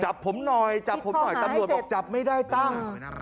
จับผมหน่อยจับผมหน่อยตำรวจบอกจับไม่ได้ตั้ง